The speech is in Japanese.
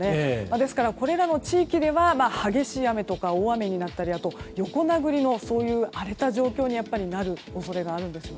ですからこれらの地域では激しい雨ですとか大雨になったりあと、横殴りの荒れた状況になる恐れがあるんです。